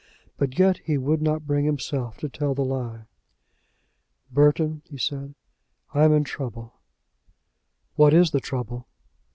But yet he would not bring himself to tell the lie. "Burton," he said, "I am in trouble." "What is the trouble?"